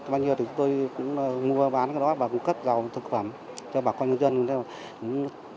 bao nhiêu thì chúng tôi cũng mua bán cái đó và cung cấp dầu thực phẩm cho bà con người dân